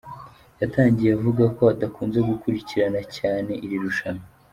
Yatangiye avuga ko adakunze gukurikirana cyane iri rushanwa.